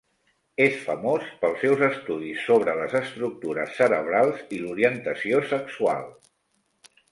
És famós pels seus estudis sobre les estructures cerebrals i l'orientació sexual.